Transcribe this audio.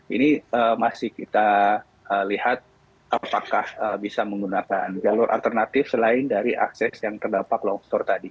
ini masih kita lihat apakah bisa menggunakan jalur alternatif selain dari akses yang terdampak longsor tadi